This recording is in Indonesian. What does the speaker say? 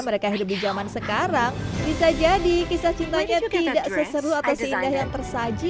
mereka hidup di zaman sekarang bisa jadi kisah cintanya tidak seseru atau seindah yang tersaji